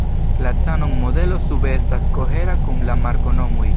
La Canon modelo sube estas kohera kun la marko-nomoj.